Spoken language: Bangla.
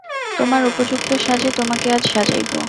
তোমার উপযুক্ত সাজে তোমাকে আজ সাজাইব।